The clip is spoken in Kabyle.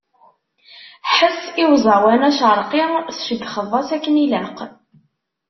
Ḥess i uẓawan acerqi tceyyxeḍ-as akken ilaq.